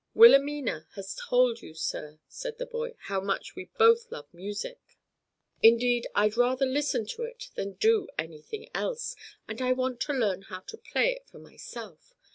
"Wilhelmina has told you, sir," said the boy, "how much we both love music. Indeed I'd rather listen to it than do anything else, and I want to learn how to play it for myself.